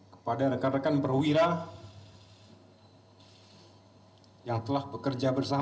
kepada rekan rekan perwira yang telah bekerja bersama